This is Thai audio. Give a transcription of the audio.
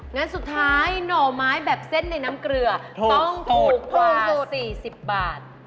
งั้นสุดท้ายหน่อไม้แบบเส้นในน้ำเกลือต้องถูกที่สุด๔๐บาท